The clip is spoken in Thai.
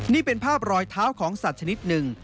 นี่เป็นภาพรอยเท้าของสัตว์ชนิดหนึ่ง